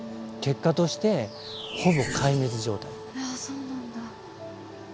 結果としてほぼ壊滅状態。